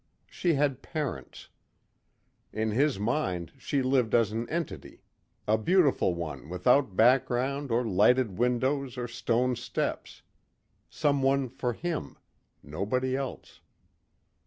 She had parents. In his mind she lived as an entity. A beautiful one without background or lighted windows or stone steps. Someone for him. Nobody else.